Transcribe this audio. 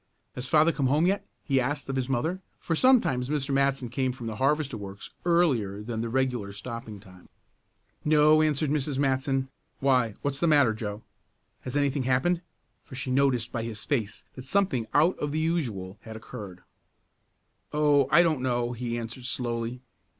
"Has father come home yet?" he asked of his mother, for sometimes Mr. Matson came from the harvester works earlier than the regular stopping time. "No," answered Mrs. Matson, "why, what is the matter, Joe? Has anything happened?" for she noticed by his face that something out of the usual had occurred. "Oh, I don't know," he answered slowly.